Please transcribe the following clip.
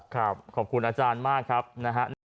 ขอบคุณอาจารย์มากครับนะฮะ